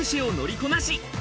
こなし